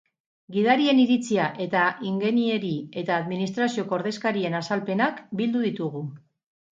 Gidarien iritzia eta ingenieri eta administrazioko ordezkarien azalpenak bildu ditugu.